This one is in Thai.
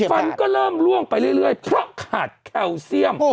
มันก็เริ่มล่วงไปเรื่อยเพราะขาดแคลเซียม